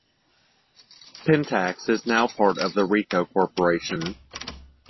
Pentax is now part of the Ricoh Corporation.